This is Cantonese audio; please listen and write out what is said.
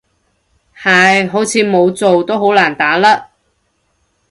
係，好似冇做都好難打甩